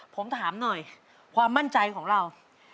ผมถามหน่อยความมั่นใจของเรา